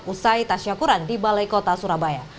usai tas syukuran di balai kota surabaya